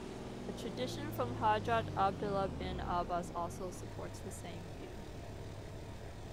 A tradition from Hadrat 'Abdullah bin 'Abbas also supports the same view.